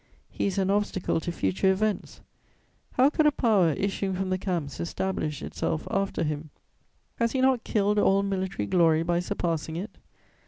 He is an obstacle to future events: how could a power issuing from the camps establish itself after him? Has he not killed all military glory by surpassing it?